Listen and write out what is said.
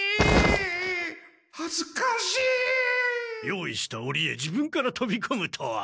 用意したオリへ自分からとびこむとは。